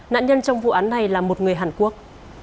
nạn nhân trong vụ án này là một người hàn quốc